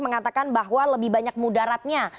mengatakan bahwa lebih banyak mudaratnya